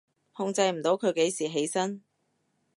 控制唔到佢幾時起身？